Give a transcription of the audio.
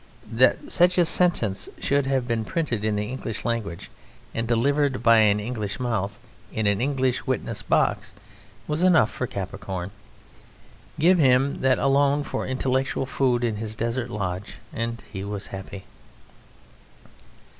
That such a sentence should have been printed in the English language and delivered by an English mouth in an English witness box was enough for Capricorn. Give him that alone for intellectual food in his desert lodge and he was happy.